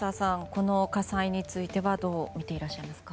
この火災についてはどうみていらっしゃいますか？